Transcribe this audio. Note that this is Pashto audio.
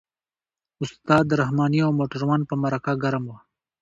استاد رحماني او موټروان په مرکه ګرم وو.